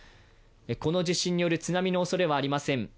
この地震による津波のおそれはありません。